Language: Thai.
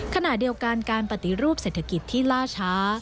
ขณะเดียวกันการปฏิรูปเศรษฐกิจที่ล่าช้า